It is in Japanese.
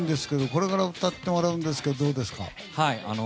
これから歌っていただくんですがどうですか？